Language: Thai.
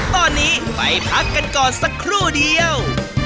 ตอนนี้ไปพักกันก่อนสักครู่เดียว